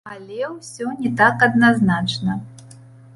Але ўсё не так адназначна.